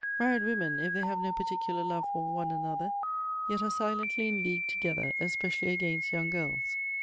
Man ied women, if they have no particular love for one another, yet arc silently in league together, especially against young girls.